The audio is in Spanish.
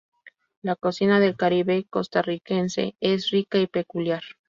La cocina del Caribe costarricense es rica y peculiar.